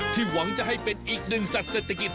หวังจะให้เป็นอีกหนึ่งสัตว์เศรษฐกิจ